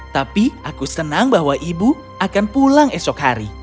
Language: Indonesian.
tapi aku senang bahwa ibu akan pulang esok hari